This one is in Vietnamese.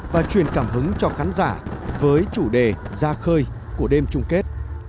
và truyền cảm hứng cho khán giả với chủ đề ra khơi của đêm chung kết